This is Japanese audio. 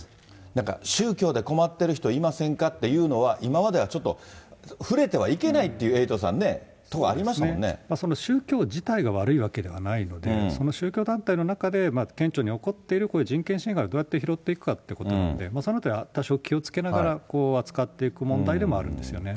なんか宗教で困っている人いませんかっていうのは、今まではちょっと触れてはいけないっていう、エイトさんね、その宗教自体が悪いわけではないので、その宗教団体の中で、顕著に起こっているこういう人権侵害をどうやって拾っていくかってことなんで、そのあたり、多少気をつけながら扱っていく問題でもあるんですよね。